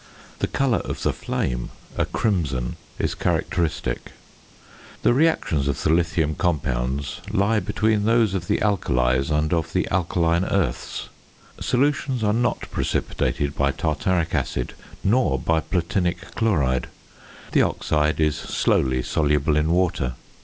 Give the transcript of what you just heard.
The colour of the flame (a crimson) is characteristic. The reactions of the lithium compounds lie between those of the alkalies and of the alkaline earths. Solutions are not precipitated by tartaric acid nor by platinic chloride. The oxide is slowly soluble in water.